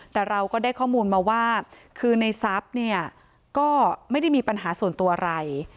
แต่เราก็ได้ข้อมูลมาว่าคือในทรัพย์เนี่ยก็ไม่ได้มีปัญหาส่วนตัวอะไร